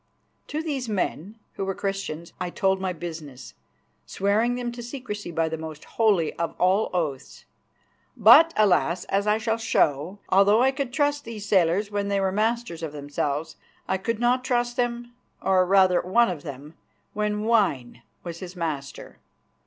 To these men, who were Christians, I told my business, swearing them to secrecy by the most holy of all oaths. But, alas! as I shall show, although I could trust these sailors when they were masters of themselves, I could not trust them, or, rather, one of them, when wine was his master.